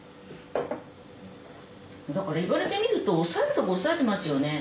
だから言われてみるとおさえるとこおさえてますよね。